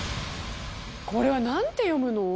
これは何て読むの？